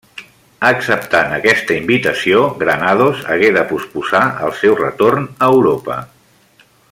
Acceptant aquesta invitació, Granados hagué de posposar el seu retorn a Europa.